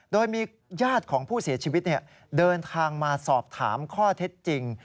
โดยมีญาติของผู้เสียชีวิตเดินทางมาสอบถามข้อเท็จจริง